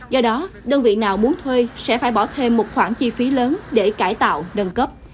do đó đơn vị nào muốn thuê sẽ phải bỏ thêm một khoản chi phí lớn để cải tạo nâng cấp